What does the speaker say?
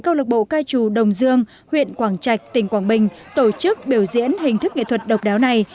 câu lạc bộ ca trù đồng dương huyện quảng trạch tỉnh quảng bình tổ chức biểu diễn hình thức nghệ thuật độc đáo này